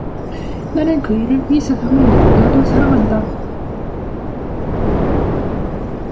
나는 그이를 이 세상의 누구보다도 사랑 한다.